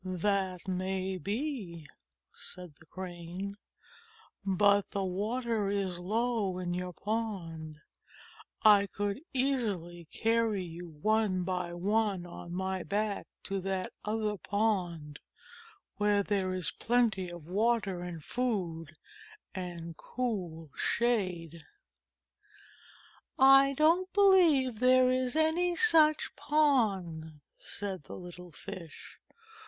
"That may be," said the Crane, "but the water is so low in your pond. I could easily carry you one by THE CRAB AND THE CRANE one on my back to that other pond where there is plenty of water and food and cool shade." "I don't believe there is any such pond," said the little Fish.